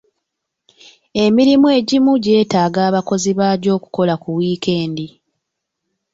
Emirimu egimu gyeetaaga abakozi baagyo okukola ku wiikendi.